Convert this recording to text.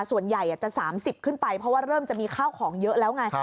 ส่วนใหญ่จะ๓๐ขึ้นไปเพราะว่าเริ่มจะมีข้าวของเยอะแล้วไง